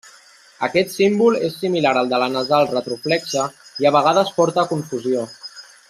Aquest símbol és similar al de la nasal retroflexa i a vegades porta a confusió.